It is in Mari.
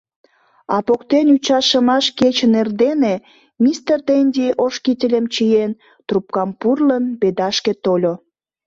А поктен ӱчашымаш кечын эрдене мистер Денди, ош кительым чиен, трупкам пурлын, «Бедашке» тольо.